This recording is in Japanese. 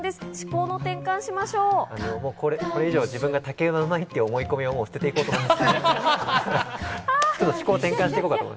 これ以上自分が竹馬がうまいっていう思い込みは捨てて行こうと思います。